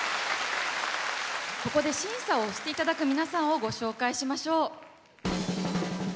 ここで審査をしていただく皆さんをご紹介しましょう。